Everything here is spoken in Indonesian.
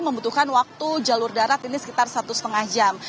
membutuhkan waktu jalur darat ini sekitar satu lima jam